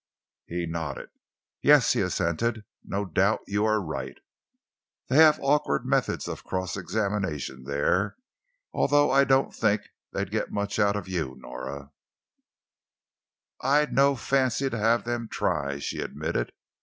He nodded. "Yes," he assented, "no doubt you are right. They have awkward methods of cross examination there, although I don't think they'd get much out of you, Nora." "I'd no fancy to have them try," she admitted.